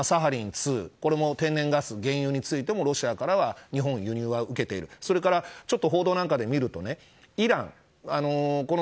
２これも天然ガス、原油についてもロシアからは輸入を受けているそれから報道なんかで見るとイラン。